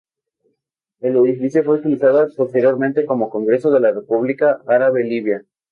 El edificio fue utilizado posteriormente como Congreso de la República Árabe Libia.